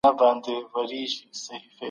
له ریاکارۍ څخه ځان وساتئ.